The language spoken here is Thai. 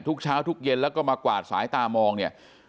ทุกเช้าทุกเย็นแล้วก็มากวาดสายตามองเนี่ย